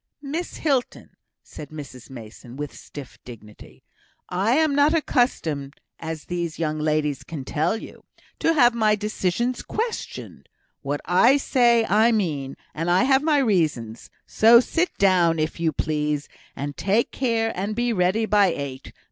"Miss Hilton," said Mrs Mason, with stiff dignity, "I am not accustomed (as these young ladies can tell you) to have my decisions questioned. What I say, I mean; and I have my reasons. So sit down, if you please, and take care and be ready by eight.